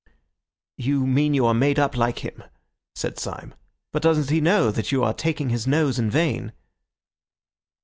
"You mean you are made up like him," said Syme. "But doesn't he know that you are taking his nose in vain?"